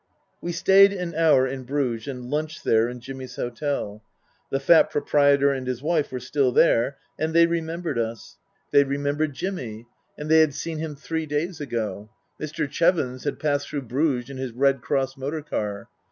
We stayed an hour in Bruges and lunched there in Jimmy's hotel. The fat proprietor and his wife were still there and they remembered us. They remembered Book III : His Book 289 Jimmy. And they had seen him three days ago. Mr. Chevons had passed through Bruges in his Red Cross motor car.